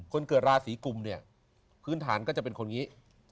คนเกิดราศีกุมเนี่ยพื้นฐานก็จะเป็นคนนี้